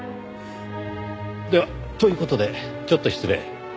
ではという事でちょっと失礼。